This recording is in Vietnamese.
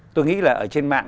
tôi nghĩ là ở trên mạng